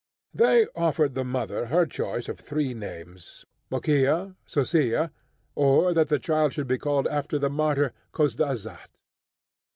They offered the mother her choice of three names, Mokiya, Sossiya, or that the child should be called after the martyr Khozdazat.